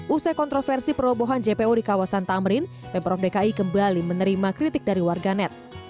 usai kontroversi perobohan jpo di kawasan tamrin pemprov dki kembali menerima kritik dari warganet